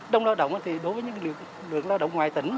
trong lao động thì đối với những lượng lao động ngoài tỉnh